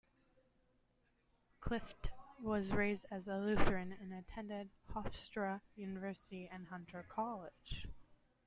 Clift was raised a Lutheran and attended Hofstra University and Hunter College.